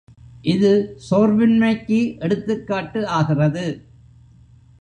இது சோர்வின்மைக்கு எடுத்துக்காட்டு ஆகிறது.